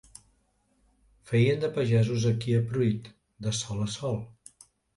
Feien de pagesos aquí a Pruit de sol a sol.